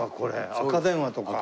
赤電話とか。